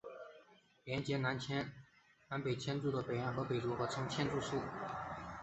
连结南北千住的北岸的北组合称千住宿。